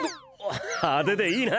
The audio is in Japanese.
派手でいいな！